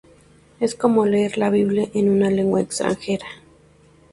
Es como leer la "Biblia" en una lengua extranjera.